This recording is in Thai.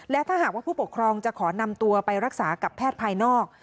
และถ้าหากว่าผู้ปกครองจะขอนำตัวไปรักษากับแพทย์ภายนอก